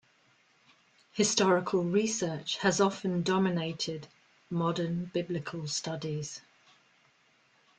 Historical research has often dominated modern biblical studies.